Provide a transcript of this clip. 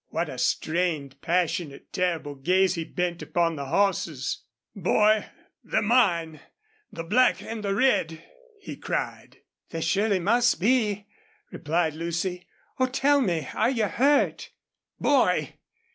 What a strained, passionate, terrible gaze he bent upon the horses. "Boy, they're mine the black an' the red!" he cried. "They surely must be," replied Lucy. "Oh! tell me. Are you hurt?" "Boy!